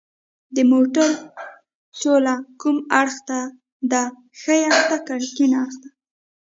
د موټر توله کوم اړخ ته ده ښي اړخ که کیڼ اړخ ته